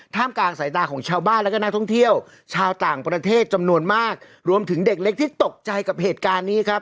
กลางสายตาของชาวบ้านแล้วก็นักท่องเที่ยวชาวต่างประเทศจำนวนมากรวมถึงเด็กเล็กที่ตกใจกับเหตุการณ์นี้ครับ